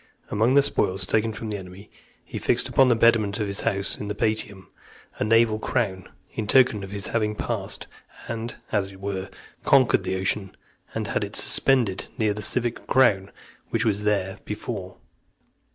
Among the spoils taken from the enemy, he fixed upon the pediment of his house in the Palatium, a naval crown, in token of his having passed, and, as it were, conquered the Ocean, and had it suspended near the civic crown which was there before.